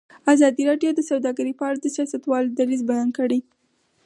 ازادي راډیو د سوداګري په اړه د سیاستوالو دریځ بیان کړی.